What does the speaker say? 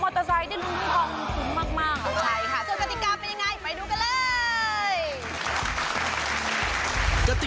ใช่ค่ะส่วนกติกาเป็นอย่างไรไปดูกันเลย